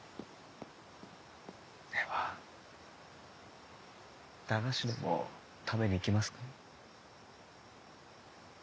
では駄菓子でも食べに行きますか。